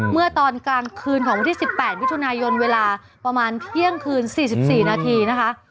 เมื่อตอนกลางคืนของวันที่๑๘มิถุนายนเวลาประมาณเที่ยงคืน๔๔นาทีนะคะ